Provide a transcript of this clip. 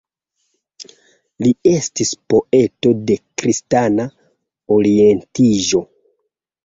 Li estis poeto de kristana orientiĝo.